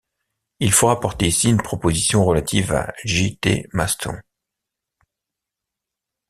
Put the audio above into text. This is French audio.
Il faut rapporter ici une proposition relative à J.-T. Maston.